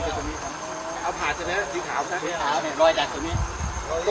ตรงนี้นะตรงนี้นะครับ